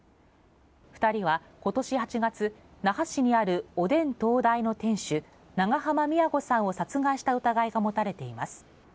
２人はことし８月、那覇市にあるおでん東大の店主、長浜美也子さんを殺害した疑いが持たれています。